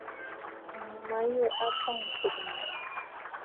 Ànnù ma yû a bɔɔ ntɨ̀nsə̀.